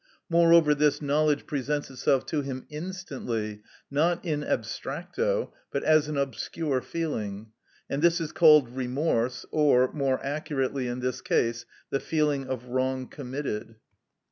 Moreover, this knowledge presents itself to him instantly, not in abstracto, but as an obscure feeling; and this is called remorse, or, more accurately in this case, the feeling of wrong committed.